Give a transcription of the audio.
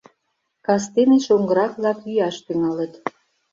Кастене шоҥгырак-влак йӱаш тӱҥалыт.